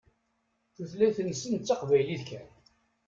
Tutlayt-nsen d taqbaylit kan.